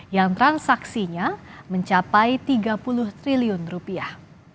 yang transaksinya mencapai tiga puluh triliun rupiah